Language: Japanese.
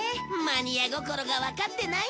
マニア心がわかってないよ